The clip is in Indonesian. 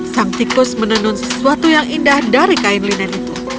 sang tikus menenun sesuatu yang indah dari kain linen itu